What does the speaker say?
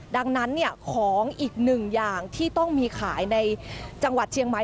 ดังนั้นของอีกหนึ่งอย่างที่ต้องมีขายในจังหวัดเชียงใหม่